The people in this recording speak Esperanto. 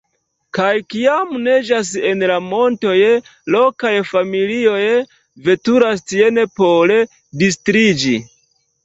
Kaj kiam neĝas en la montoj, lokaj familioj veturas tien por distriĝi.